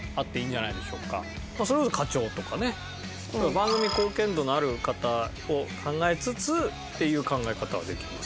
番組貢献度のある方を考えつつっていう考え方はできますけどね。